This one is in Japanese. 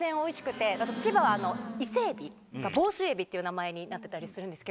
あと千葉は伊勢海老が房州海老っていう名前になってたりするんですけど。